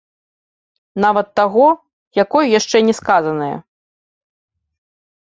Нават таго, якое яшчэ не сказанае.